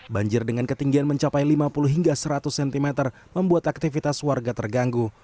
banjir dengan ketinggian mencapai lima puluh hingga seratus cm membuat aktivitas warga terganggu